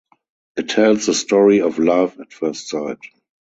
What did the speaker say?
It tells the story of love at first sight.